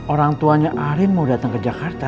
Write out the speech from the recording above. orang tuanya arin mau datang ke jakarta